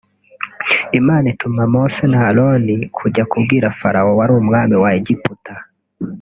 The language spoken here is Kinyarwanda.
Imana ituma Mose na Aroni kujya kubwira Farawo wari umwami wa Egiputa